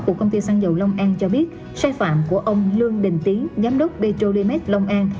của công ty xăng dầu long an cho biết sai phạm của ông lương đình tiến giám đốc petrolimac long an